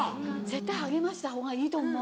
絶対励ました方がいいと思う。